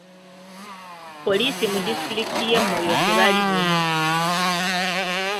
Poliisi mu disitulikiti y'e Moyo tebali bumu.